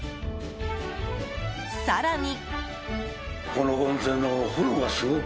更に。